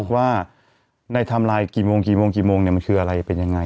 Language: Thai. ว่าในไทม์ไลน์กี่โมงกี่โมงกี่โมงมันคืออะไรเป็นยังไง